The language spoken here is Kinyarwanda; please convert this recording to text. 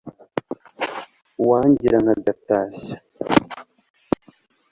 uwangira nk'agatashya